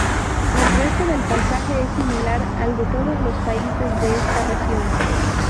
El resto del paisaje es similar al de todos los países de esta región.